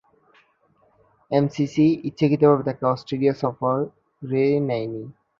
MCC ইচ্ছাকৃতভাবে তাকে Australia সফরে নেয়নি।